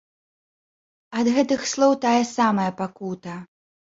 Ад гэтых слоў тая самая пакута.